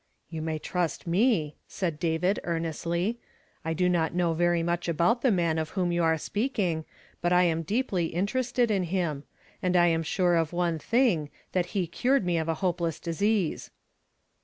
" You may trust me," said David, earnestly. " I do not know very much about the man of whom you are speaking, but I am deeply interested in him ; and I am sure of one thing, that he cured me of a hopeless disease."